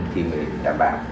thì mới đảm bảo